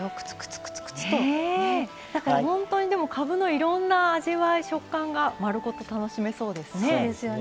本当にかぶのいろんな食感が丸ごと楽しめそうですね。